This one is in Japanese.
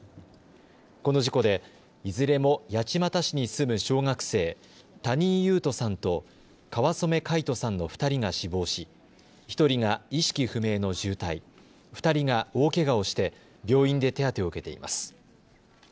この事故で、いずれも八街市に住む小学生、谷井勇斗さんと川染凱仁さんの２人が死亡し１人が意識不明の重体、２人が大けがをして病院で手当てを受けています。